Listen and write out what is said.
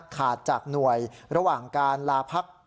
ขาดจากหน่วยระหว่างการลาพัก